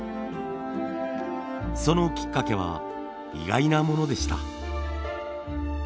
そのきっかけは意外なものでした。